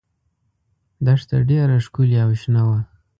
دښته ډېره ښکلې او شنه وه.